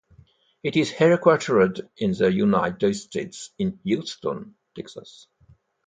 It is headquartered in the United States in Houston, Texas.